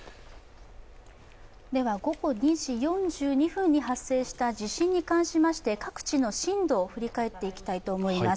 午後２時４２分に発生した地震に関しまして各地の震度を振り返っていきたいと思います。